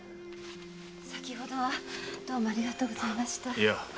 先ほどはどうもありがとうございました。